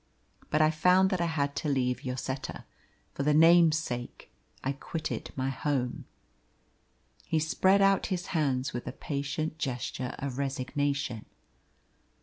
But I found that I had to leave Lloseta for the name's sake I quitted my home." He spread out his hands with a patient gesture of resignation.